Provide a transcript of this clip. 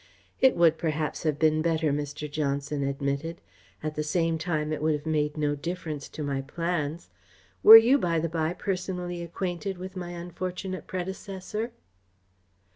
"It would, perhaps, have been better," Mr. Johnson admitted. "At the same time it would have made no difference to my plans. Were you, by the by, personally acquainted with my unfortunate predecessor?"